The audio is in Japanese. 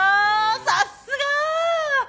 さっすが。